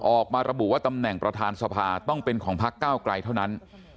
ออกมาระบุว่าตำแหน่งประธานสภาต้องเป็นของพักเก้าไกลเท่านั้น